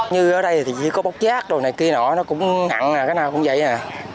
như ở đây thì chỉ có bóc giác rồi này kia nọ nó cũng nặng à cái nào cũng vậy à